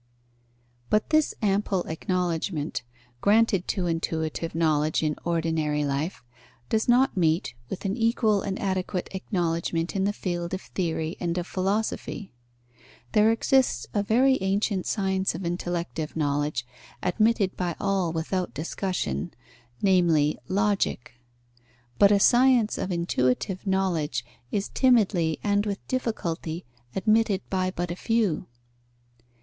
But this ample acknowledgment, granted to intuitive knowledge in ordinary life, does not meet with an equal and adequate acknowledgment in the field of theory and of philosophy. There exists a very ancient science of intellective knowledge, admitted by all without discussion, namely, Logic; but a science of intuitive knowledge is timidly and with difficulty admitted by but a few.